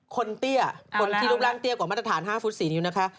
เตี้ยคนที่รูปร่างเตี้ยกว่ามาตรฐาน๕ฟุต๔นิ้วนะคะ